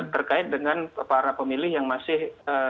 terkait dengan para pemilih yang masih